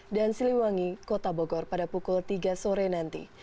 dan siliwangi kota bogor pada pukul tiga sore nanti